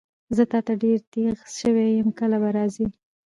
زه تاته ډېر دیغ سوی یم کله به راځي؟